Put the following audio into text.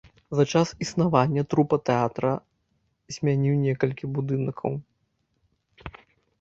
За час існавання трупа тэатра змяніў некалькі будынкаў.